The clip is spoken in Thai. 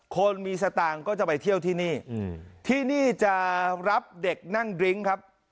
คนมีสตางค์ก็จะไปเที่ยวที่นี่ที่นี่จะรับเด็กนั่งดริ้งครับ